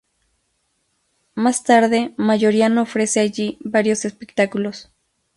Más tarde, Mayoriano ofrece allí varios espectáculos.